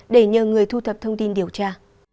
để nhờ người thu thập thông tin điều tra